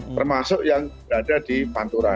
termasuk yang berada di pantura